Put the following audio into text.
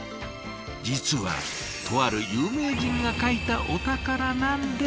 実はとある有名人が描いた「お宝」なんです。